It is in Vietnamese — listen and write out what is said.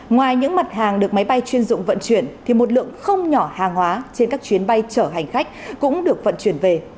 ngoài những mặt hàng được máy bay chuyên dụng vận chuyển thì một lượng không nhỏ hàng hóa trên các chuyến bay chở hành khách cũng được vận chuyển về